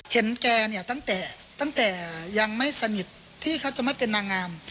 แกเนี่ยตั้งแต่ตั้งแต่ยังไม่สนิทที่เขาจะไม่เป็นนางงาม